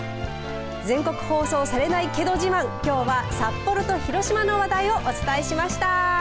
全国放送されないけどじまんきょうは札幌と広島の話題をお伝えしました。